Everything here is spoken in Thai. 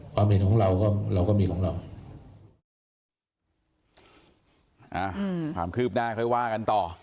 ความเห็นของเราก็มีของเรา